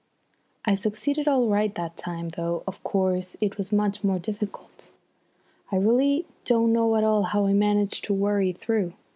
"I succeeded all right that time, though, of course, it was much more difficult. I really don't know at all how I managed to worry through.